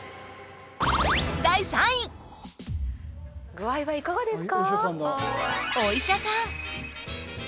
具合はいかがですか？